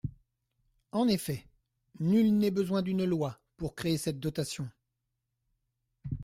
En effet, nul n’est besoin d’une loi pour créer cette dotation.